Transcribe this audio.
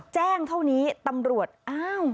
เท่านี้ตำรวจอ้าว